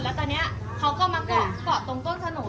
แล้วตอนนี้เขาก็มาเกาะตรงต้นถนน